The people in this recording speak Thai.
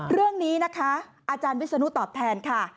เรื่องนี้นะคะอาจารย์วิศนุตอบแทนค่ะ